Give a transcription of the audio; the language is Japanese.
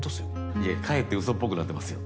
いやかえってうそっぽくなってますよ。